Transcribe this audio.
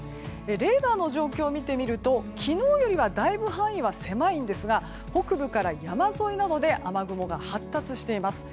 レーダーの状況を見てみると昨日よりはだいぶ範囲は狭いんですが北部から山沿いなどで雨雲が発達しています。